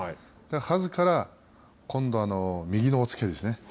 はずから今度、右の押っつけですね。